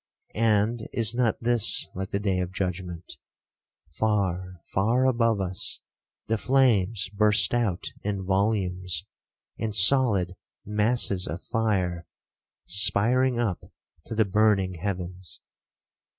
And is not this like the day of judgement? Far, far, above us, the flames burst out in volumes, in solid masses of fire, spiring up to the burning heavens.